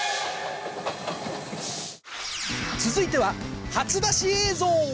続いては初出し映像